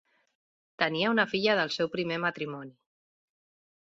Tenia una filla del seu primer matrimoni.